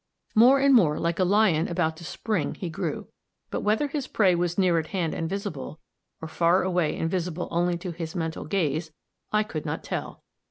More and more like a lion about to spring, he grew; but whether his prey was near at hand and visible, or far away and visible only to his mental gaze, I could not tell.